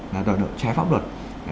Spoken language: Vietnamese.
là đòi nợ trái pháp luật